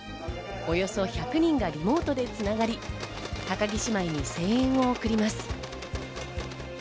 およそ１００人がリモートでつながり、高木姉妹に声援を送ります。